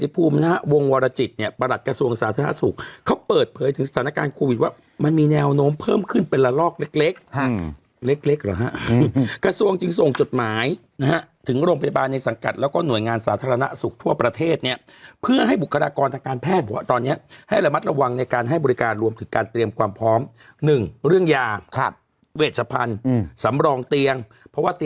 ภุ่งลงมาจากฟ้าฟ้าฟ้าฟ้าฟ้าฟ้าฟ้าฟ้าฟ้าฟ้าฟ้าฟ้าฟ้าฟ้าฟ้าฟ้าฟ้าฟ้าฟ้าฟ้าฟ้าฟ้าฟ้าฟ้าฟ้าฟ้าฟ้าฟ้าฟ้าฟ้าฟ้าฟ้าฟ้าฟ้าฟ้าฟ้าฟ้าฟ้าฟ้าฟ้าฟ้าฟ้าฟ้